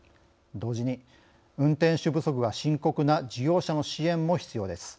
同時に、運転手不足が深刻な事業者の支援も必要です。